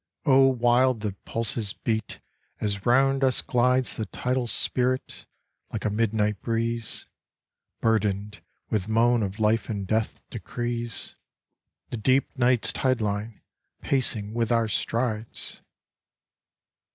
O wild the pulses beat as round us glides The tidal spirit, like a midnight breeze, Burdened with moan of life and death decrees, The deep night's tide line pacing with our strides!